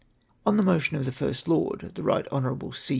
On the motion of the First Lord (the Eight Hon. C.